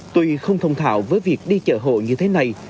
tuy không thông thạo với việc đi chợ hộ như thế này